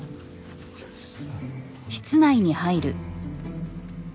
あちらです。